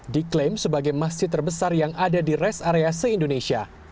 diklaim sebagai masjid terbesar yang ada di rest area se indonesia